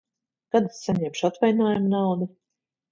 Kad es saņemšu atvaļinājuma naudu?